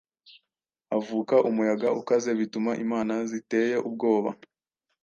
havuka umuyaga ukaze bituma imana ziteye ubwoba